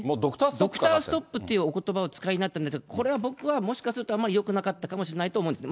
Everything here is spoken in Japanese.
ドクターストップがかかってるっておことばをお使いになったんですが、これは僕は、もしかするとあんまりよくなかったかもしれないと思ったんですね。